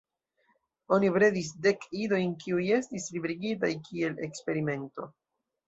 Oni bredis dek idojn kiuj estis liberigitaj kiel eksperimento.